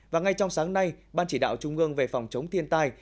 và ngay trong sáng nay ban chỉ đạo trung ương về phòng chống thiên tai